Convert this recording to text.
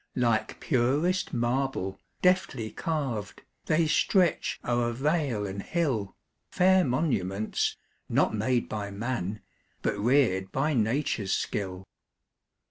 Like purest marble, deftly carv'd, They stretch o'er vale and hill, Fair monuments, not made by man, But rear'd by nature's skill.